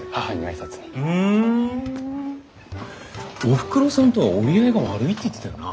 おふくろさんとは折り合いが悪いって言ってたよな。